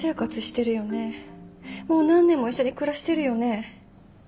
もう何年も一緒に暮らしてるよね？